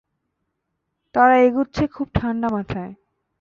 তারা এগুচ্ছে খুব ঠাণ্ডা মাথায়।